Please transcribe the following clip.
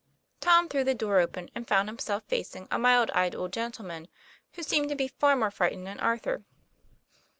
Tom threw the door open and found himself facing a mild eyed old gentleman, who seemed to be far more frightened than Arthur.